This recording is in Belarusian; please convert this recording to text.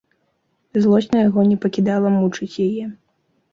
Злосць на яго не пакідала мучыць яе.